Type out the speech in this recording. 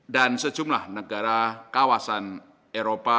dan sejumlah negara kawasan eropa